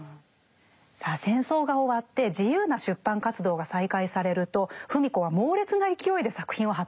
さあ戦争が終わって自由な出版活動が再開されると芙美子は猛烈な勢いで作品を発表していきました。